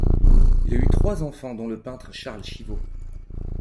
Il a eu trois enfants dont le peintre Charles Chivot.